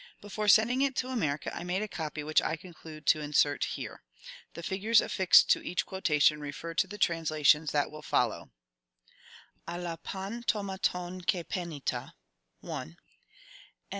Before sending it to America I made a copy which I conclude to insert here. The figures affixed to each quotation refer to the translations that will follow :— *AAXa irav TO/iarov {koX) iritn/jra ....